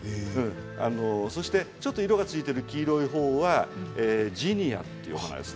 そして色がついている黄色いほうはジニアという花です。